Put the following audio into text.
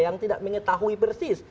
yang tidak mengetahui persis